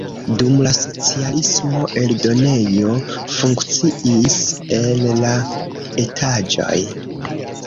Dum la socialismo eldonejo funkciis en la etaĝoj.